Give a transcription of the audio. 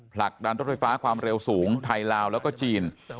ผลักดันรถไฟฟ้าความเร็วสูงไทยลาวแล้วก็จีน